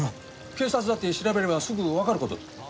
警察だって調べればすぐわかる事。